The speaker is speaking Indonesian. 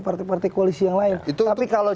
partai partai koalisi yang lain tapi kalau